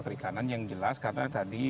perikanan yang jelas karena tadi